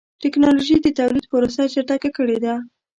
ټکنالوجي د تولید پروسه چټکه کړې ده.